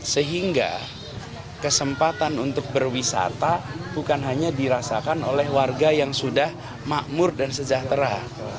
sehingga kesempatan untuk berwisata bukan hanya dirasakan oleh warga yang sudah makmur dan sejahtera